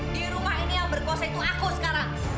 di rumah ini yang berkosa itu aku sekarang